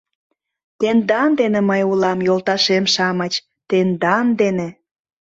— Тендан дене мый улам, йолташем-шамыч, тендан дене...